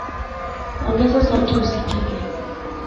Ongeza sauti usikike